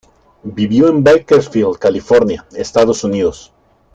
Vivió en Bakersfield, California, Estados Unidos.